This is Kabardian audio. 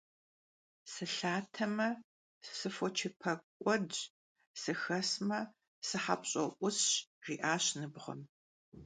«Sılhateme, sıfoçıpek'uedş, sıxesme, sıhepş'o 'Usş» jji'aş nıbğuem.